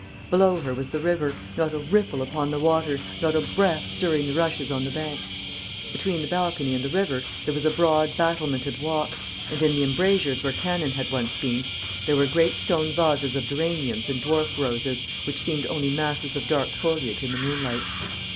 Below her was the river; not a ripple upon the water, not a breath stirring the rushes on the banks. Between the balcony and the river there was a broad battlemented walk, and in the embrasures where cannon had once been there were great stone vases of geraniums and dwarf roses, which seemed only masses of dark foliage in the moonlight.